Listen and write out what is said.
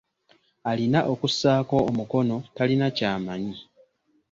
Alina okussaako omukono talina ky'amanyi.